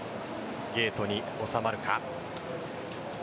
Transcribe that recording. ゲートに収まるか。